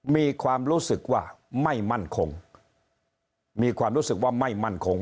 มีความรู้สึกว่าไม่มั่นคงมีความรู้สึกว่าไม่มั่นคง